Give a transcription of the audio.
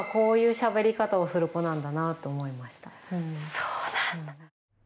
そうなんだ。